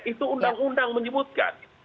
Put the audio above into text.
itu undang undang menyebutkan